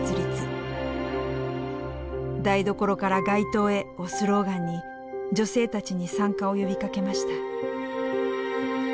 「台所から街頭へ」をスローガンに女性たちに参加を呼びかけました。